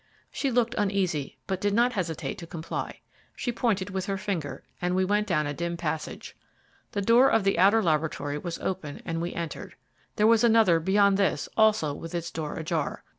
She looked uneasy, but did not hesitate to comply. She pointed with her finger, and we went down a dim passage. The door of the outer laboratory was open, and we entered. There was another beyond this also with its door ajar.